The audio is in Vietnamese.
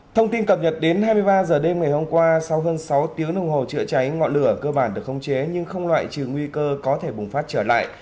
thông tin cập nhật đến hai mươi ba h đêm ngày hôm qua sau hơn sáu tiếng đồng hồ chữa cháy ngọn lửa cơ bản được khống chế nhưng không loại trừ nguy cơ có thể bùng phát trở lại